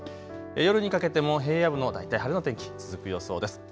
夜にかけても平野部も大体晴れの天気、続く予想です。